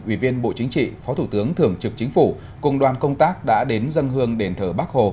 ủy viên bộ chính trị phó thủ tướng thường trực chính phủ cùng đoàn công tác đã đến dân hương đền thờ bắc hồ